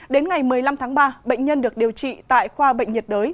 đến ngày một mươi năm tháng ba bệnh nhân được điều trị tại khoa bệnh nhiệt đới